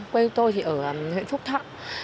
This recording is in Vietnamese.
quê tôi ở huyện phúc thọ